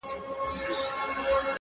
سپينه كوتره په هوا كه او باڼه راتوی كړه.